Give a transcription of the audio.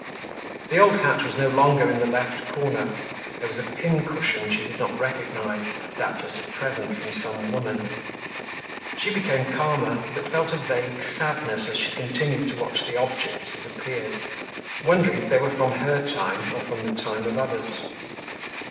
The old hat was no longer in the left corner. There was a pincushion she did not recognize, doubtless a present from some woman. She became calmer, but felt a vague sadness as she continued to watch the objects that appeared, wondering if they were from her time or from the time of others.